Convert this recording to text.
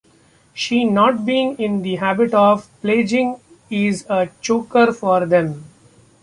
She not being in the habit of pledging is a choker for them.